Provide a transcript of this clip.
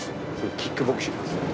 キックボクシングです。